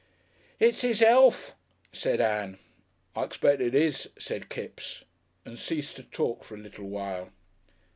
"It's 'is 'ealth," said Ann. "I expect it is," said Kipps, and ceased to talk for a little while.